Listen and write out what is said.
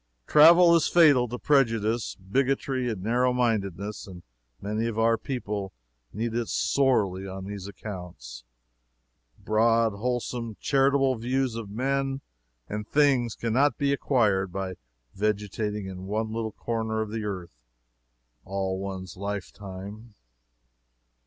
Travel is fatal to prejudice, bigotry and narrow mindedness, and many of our people need it sorely on these accounts. Broad, wholesome, charitable views of men and things can not be acquired by vegetating in one little corner of the earth all one's lifetime.